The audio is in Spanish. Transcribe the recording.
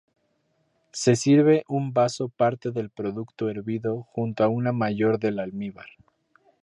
Se sirve un vaso parte del producto hervido junto a una mayor del almíbar.